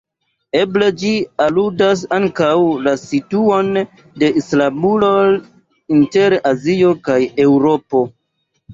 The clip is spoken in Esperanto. Eble ĝi aludas ankaŭ la situon de Istanbulo inter Azio kaj Eŭropo.